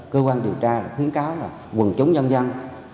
cơ quan điều tra khuyến cáo là quần chúng nhân dân